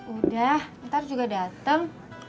udah ntar juga dateng